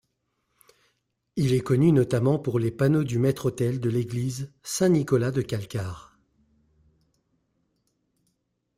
Il est connu notamment pour les panneaux du maître-autel de l'église Saint-Nicolas de Kalkar.